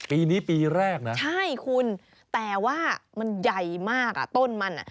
ปีนี้ปีแรกนะใช่คุณแต่ว่ามันใหญ่มากอ่ะต้นมันอ่ะ